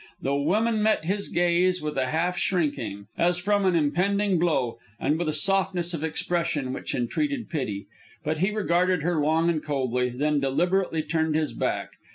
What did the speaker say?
The woman met his gaze with a half shrinking, as from an impending blow, and with a softness of expression which entreated pity. But he regarded her long and coldly, then deliberately turned his back.